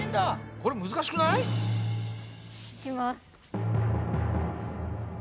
これ難しくない？いきます！